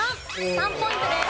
３ポイントです。